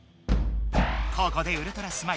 ここでウルトラスマイルズ